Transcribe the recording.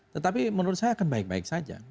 tetapi menurut saya akan baik baik saja